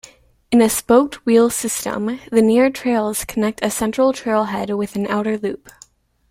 In a spoked-wheel system, linear trails connect a central trailhead with an outer loop.